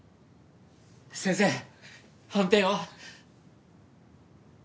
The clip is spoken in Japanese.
先生判定は？